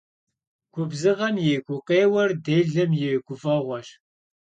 Gubzığem yi gu'eğuer dêlem yi guf'eğueş.